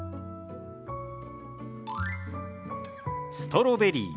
「ストロベリー」。